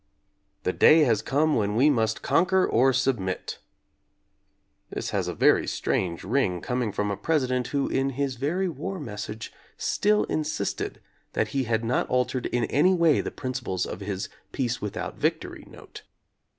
"The day has come when we must conquer or submit." This has a very strange ring coming from a Presi dent who in his very war message still insisted that he had not altered in any way the principles of his "peace without victory" note.